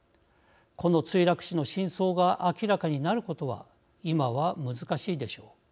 この墜落死の真相が明らかになることは今は難しいでしょう。